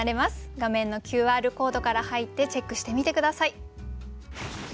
画面のＱＲコードから入ってチェックしてみて下さい。